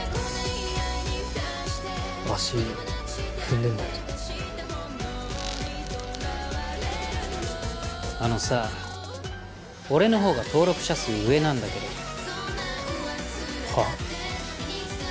足踏んでんだけどあのさ俺のほうが登録者数上なんだけどはっ？